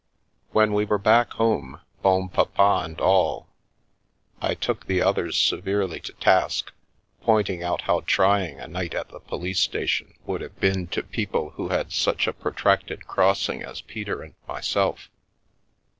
When we were back home, Bonpapa and all, I took the others severely to task, pointing out how trying a night at the police station would have been to people The Milky Way who had such a protracted crossing as Peter and myself.